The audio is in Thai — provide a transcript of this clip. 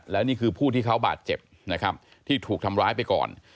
และนี่คือผู้ที่เขาบาดเจ็บนะครับที่ถูกทำร้ายไปก่อน